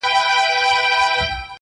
خو ماته دي سي، خپل ساقي جانان مبارک~